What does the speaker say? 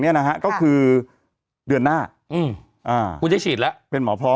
นะฮะก็คือเดือนหน้าอืมอ่าคุณจะฉีดแล้วเป็นหมอพร้อม